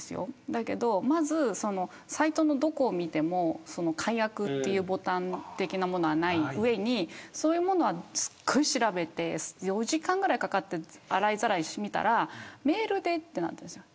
だけどサイトのどこを見ても解約というボタン的なものはない上にそういうものを、すっごい調べて４時間ぐらいかかって洗いざらいしてみたらメールでってなったんですよ。